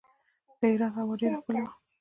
د هرات هوا ډیره ښکلې وه.